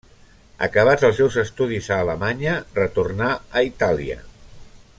Acabats els seus estudis a Alemanya, retornà a Itàlia.